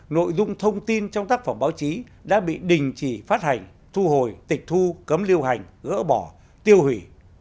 nội dung thông tin trong tác phẩm báo chí đã bị đình chỉ phát hành thu hồi tịch thu cấm lưu hành gỡ bỏ tiêu hủy